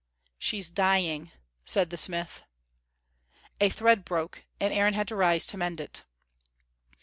"She's dying," said the smith. A thread broke, and Aaron had to rise to mend it.